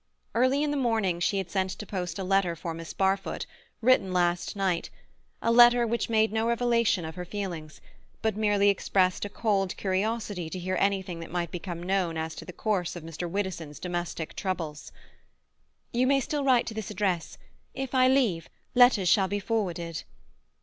Early in the morning she had sent to post a letter for Miss Barfoot, written last night—a letter which made no revelation of her feelings, but merely expressed a cold curiosity to hear anything that might become known as to the course of Mr. Widdowson's domestic troubles. "You may still write to this address; if I leave, letters shall be forwarded."